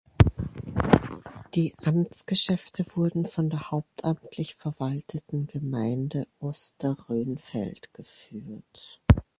Die Amtsgeschäfte wurden von der hauptamtlich verwalteten Gemeinde Osterrönfeld geführt.